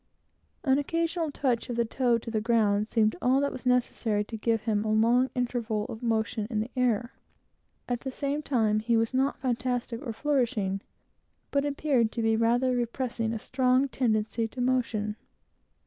An occasional touch of the toe to the ground, seemed all that was necessary to give him a long interval of motion in the air. At the same time he was not fantastic or flourishing, but appeared to be rather repressing a strong tendency to motion.